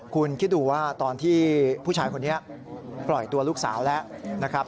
คุณคิดดูว่าตอนที่ผู้ชายคนนี้ปล่อยตัวลูกสาวแล้วนะครับ